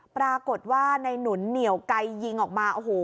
ปรากฏว่าในหนุนเหนี่ยวไกยยิงออกมา